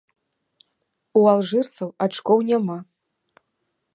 У алжырцаў ачкоў няма.